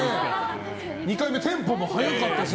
２回目テンポも早かったし。